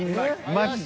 マジで。